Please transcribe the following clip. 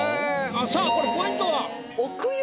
さあこれポイントは？